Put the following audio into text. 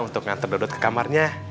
untuk ngantar dodot ke kamarnya